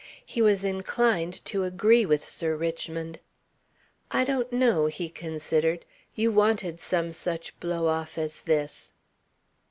He was inclined to agree with Sir Richmond. "I don't know," he considered. "You wanted some such blow off as this."